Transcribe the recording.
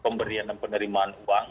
pemberian dan penerimaan uang